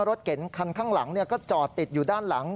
รถเก๋งคันข้างหลังก็จอดติดอยู่ด้านหลัง